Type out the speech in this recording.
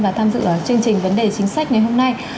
và tham dự chương trình vấn đề chính sách ngày hôm nay